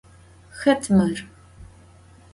Xet mır?